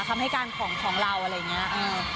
คำให้การของเราอะไรอย่างนี้